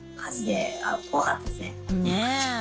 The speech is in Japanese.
ねえ。